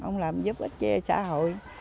ông làm giúp ích cho xã hội